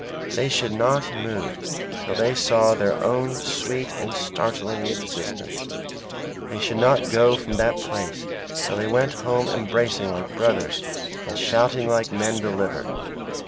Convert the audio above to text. They should not move till they saw their own sweet and startling existence. They should not go from that place till they went home embracing like brothers and shouting like men delivered.